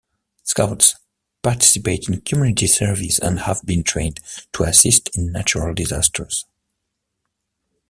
Scouts participate in community service and have been trained to assist in natural disasters.